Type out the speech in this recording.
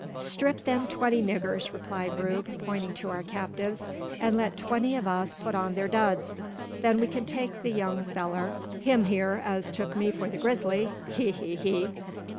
"Strip them twenty niggurs," replied Rube, pointing to our captives, "an' let twenty o' us put on their duds. Then we kin take the young fellur him hyur as tuk me for the grizzly! He! he! he!